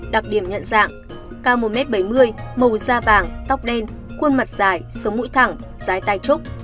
đặc điểm nhận dạng cao một m bảy mươi màu da vàng tóc đen khuôn mặt dài sống mũi thẳng dài tay trúc